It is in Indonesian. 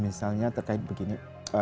misalnya terkait begini